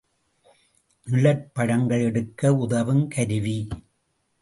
நிழற்படங்கள் எடுக்க உதவும் கருவி.